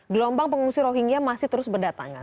gelombang pengungsi rohingya masih terus berdatangan